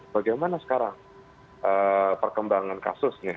bagaimana sekarang perkembangan kasusnya